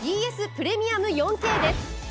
プレミアム４Ｋです。